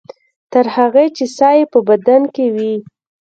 تر هغې چې ساه یې په بدن کې وي.